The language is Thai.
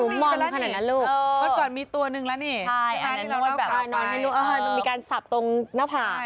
เมื่อก่อนมีตัวหนึ่งแล้วนี่ใช่อันนั้นมีการสับตรงหน้าผ่า